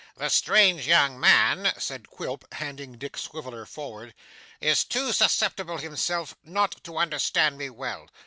'The strange young man,' said Quilp, handing Dick Swiveller forward, 'is too susceptible himself not to understand me well.